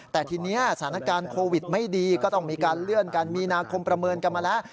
แต่ทีนี้สถานการณ์โควิดไม่ดีก็ต้องมีการเลื่อนกันมีนาคมประเมินกันมาแล้ว